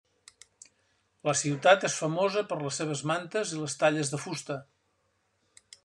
La ciutat és famosa per les seves mantes i les talles de fusta.